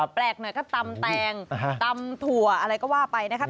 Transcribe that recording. แปลกหน่อยก็ตำแตงตำถั่วอะไรก็ว่าไปนะครับ